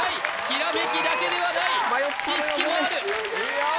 ひらめきだけではない知識もあるすげー！